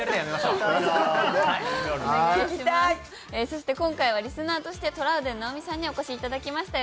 そして今回はリスナーとしてトラウデン直美さんにお越しいただきました。